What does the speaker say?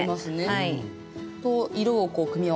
はい。